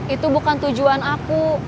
itu bukan tujuan aku